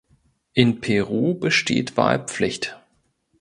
In Peru besteht Wahlpflicht.